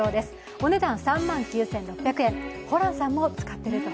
お値段３万９６００円、ホランさんも使っていると。